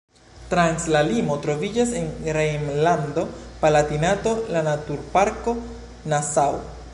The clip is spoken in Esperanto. Trans la limo troviĝas en Rejnlando-Palatinato la Naturparko Nassau.